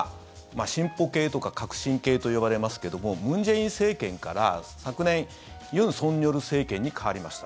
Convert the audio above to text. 進歩系とか革新系と呼ばれますけども文在寅政権から、昨年尹錫悦政権に代わりました。